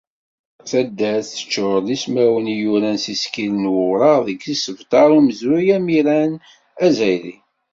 Tabdart teččur d ismawen i yuran s yisekkilen n wureɣ deg yisebtar n umezruy amiran azzayri.